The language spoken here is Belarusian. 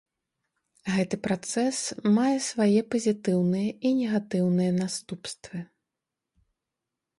Гэты працэс мае свае пазітыўныя і негатыўныя наступствы.